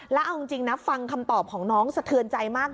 แล้วเอาจริงนะฟังคำตอบของน้องสะเทือนใจมาก